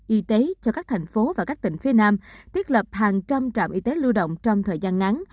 y tế cho các thành phố và các tỉnh phía nam thiết lập hàng trăm trạm y tế lưu động trong thời gian ngắn